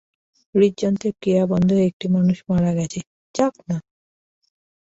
হৃদযন্ত্রের ক্রিয়া বন্ধ হয়ে একটি মানুষ মারা গেছে, যাক না!